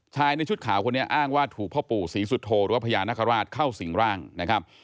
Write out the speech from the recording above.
ในชุดขาวคนนี้อ้างว่าถูกพ่อปู่ศรีสุโธหรือว่าพญานาคาราชเข้าสิงร่างนะครับ